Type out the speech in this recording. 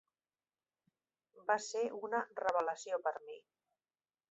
Va ser una revelació per a mi.